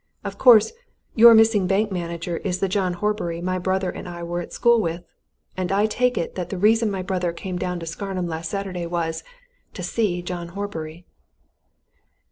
Of course, your missing bank manager is the John Horbury my brother and I were at school with! And I take it that the reason my brother came down to Scarnham last Saturday was to see John Horbury."